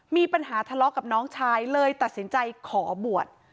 มีปัญหาทะเลาะกับน้องชายเลยตัดสินใจขอบวช